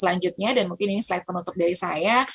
selanjutnya dan mungkin ini slide penutup dari saya